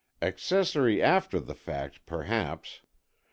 Accessory after the fact, perhaps.